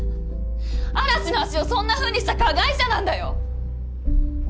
嵐の足をそんなふうにした加害者なんだよ